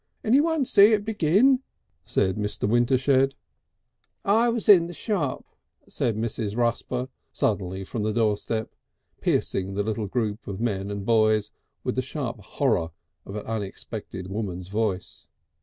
"Anyone see it begin?" said Mr. Wintershed. "I was in the shop," said Mrs. Rusper suddenly from the doorstep, piercing the little group of men and boys with the sharp horror of an unexpected woman's voice.